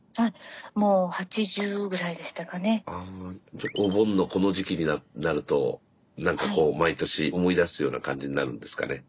ちょっとお盆のこの時期になると何かこう毎年思い出すような感じになるんですかね？